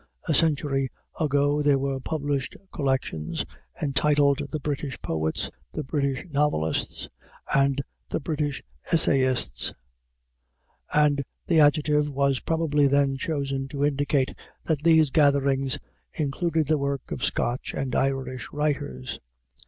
A century ago there were published collections entitled the British Poets, the British Novelists, and the British Essayists; and the adjective was probably then chosen to indicate that these gatherings included the work of Scotch and Irish writers.